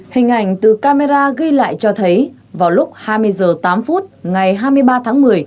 hình ảnh từ camera ghi lại cho thấy vào lúc hai mươi h tám phút ngày hai mươi ba tháng một mươi